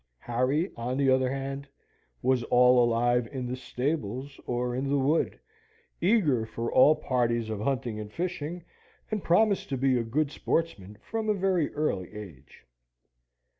Harry, on the other hand, was all alive in the stables or in the wood, eager for all parties of hunting and fishing, and promised to be a good sportsman from a very early age.